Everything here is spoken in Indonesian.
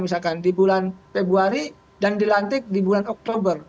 misalkan di bulan februari dan dilantik di bulan oktober